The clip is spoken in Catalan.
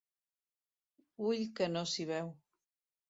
Ull que no s'hi veu.